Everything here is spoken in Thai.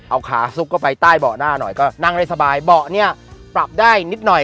เอาขาซุกเข้าไปใต้เบาะหน้าหน่อยก็นั่งได้สบายเบาะเนี่ยปรับได้นิดหน่อย